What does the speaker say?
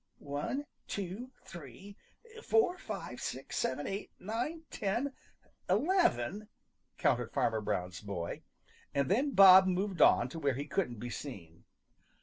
"One, two, three, four, five, six, seven, eight, nine, ten, eleven," counted Farmer Brown's boy, and then Bob moved on to where he couldn't be seen.